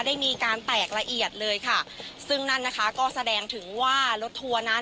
ได้มีการแตกละเอียดเลยค่ะซึ่งนั่นนะคะก็แสดงถึงว่ารถทัวร์นั้น